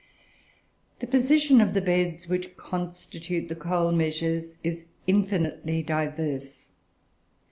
The position of the beds which constitute the coal measures is infinitely diverse.